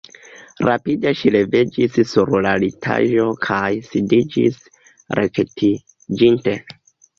Rapide ŝi leviĝis sur la litaĵo kaj sidiĝis rektiĝinte.